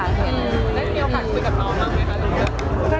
ได้มีโอกาสคุยกับน้องไหม